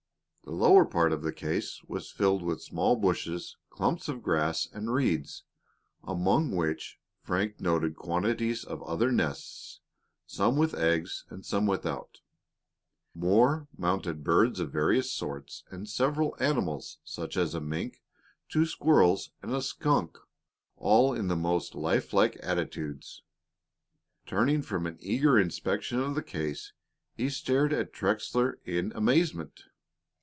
The lower part of the case was filled with small bushes, clumps of grass, and reeds, among which Frank noted quantities of other nests, some with eggs and some without, more mounted birds of various sorts, and several animals, such as a mink, two squirrels, and a skunk, all in the most lifelike attitudes. Turning from an eager inspection of the case, he stared at Trexler in amazement.